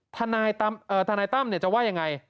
ทนายตั้มจะว่ายังไง